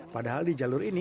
padahal di jalur ini